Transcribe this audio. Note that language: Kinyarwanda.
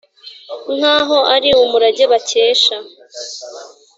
nk’aho ari umurage bakesha